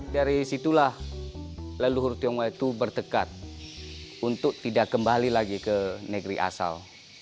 dari situlah leluhur tionghoa itu bertekad untuk tidak kembali lagi ke negeri asal